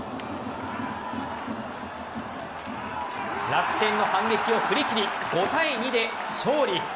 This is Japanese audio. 楽天の反撃を振り切り５対２で勝利。